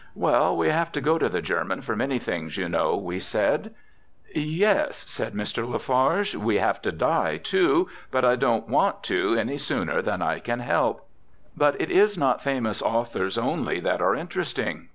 "Well, we have to go to the German for many things, you know," we said. "Yes," said Mr. La Farge, "we have to die, too, but I don't want to any sooner than I can help." But it is not famous authors only that are interesting.